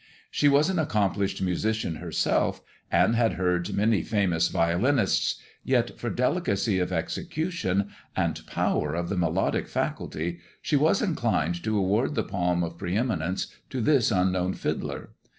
She was an accomplished musician herself, and had heard many famous violinists, yet for delicacy of execution and power of the melodic faculty, she was inclined to award the palm of pre eminence to this unknown fiddler.